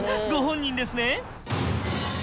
ご本人ですね？